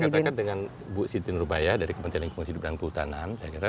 saya katakan dengan bu siti nurbaya dari kementerian lingkungan hidup dan kehutanan